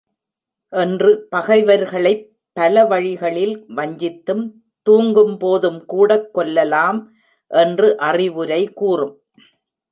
என்று பகைவர்களைப் பல வழிகளில் வஞ்சித்தும் தூங்கும் போதும்கூடக் கொல்லலாம் என்று அறிவுரை கூறும்.